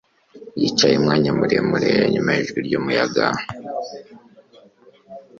yicaye umwanya muremure, yumva ijwi ry'umuyaga